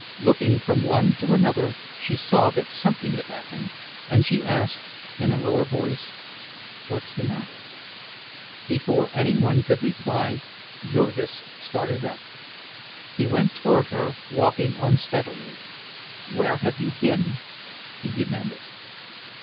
Looking from one to another she saw that something had happened, and she asked, in a lower voice: "What's the matter?" Before anyone could reply, Jurgis started up; he went toward her, walking unsteadily. "Where have you been?" he demanded.